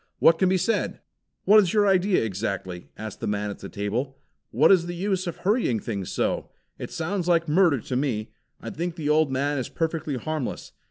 What can be said?" "What is your idea exactly?" asked the man at the table. "What is the use of hurrying things so? It sounds like murder to me. I think the old man is perfectly harmless.